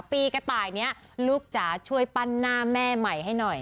ปีกระต่ายนี้ลูกจ๋าช่วยปั้นหน้าแม่ใหม่ให้หน่อย